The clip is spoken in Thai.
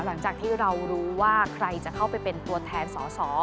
หลังจากที่เรารู้ว่าใครจะเข้าไปเป็นตัวแทนสอสอ